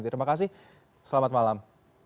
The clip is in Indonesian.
terima kasih pak